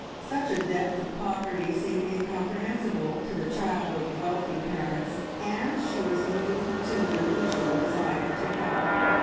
Such a depth of poverty seemed incomprehensible to the child of wealthy parents, and she was moved to an unusual desire to help.